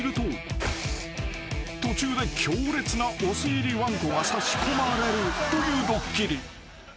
［途中で強烈なお酢入りわんこが差し込まれるというドッキリ］